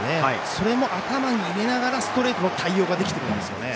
それも頭に入れながらストレートの対応ができているんですね。